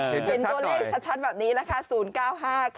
เห็นตัวเลขชัดแบบนี้นะคะ๐๙๕ค่ะ